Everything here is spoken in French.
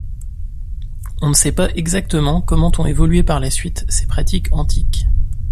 On ne sait pas exactement comment ont évolué par la suite ces pratiques antiques.